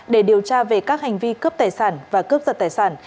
để điều tra về các hành vi cướp tài sản và cướp giật tài sản